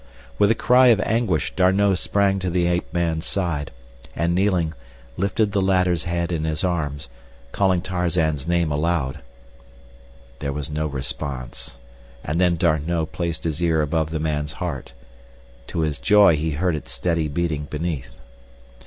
With a cry of anguish D'Arnot sprang to the ape man's side, and kneeling, lifted the latter's head in his arms—calling Tarzan's name aloud. There was no response, and then D'Arnot placed his ear above the man's heart. To his joy he heard its steady beating beneath.